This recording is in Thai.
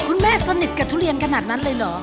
สนิทกับทุเรียนขนาดนั้นเลยเหรอ